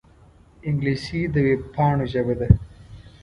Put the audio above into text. انګلیسي د وېبپاڼو ژبه ده